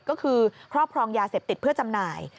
ก็คือครอบครองยาเสพติดเพื่อจำหน่าย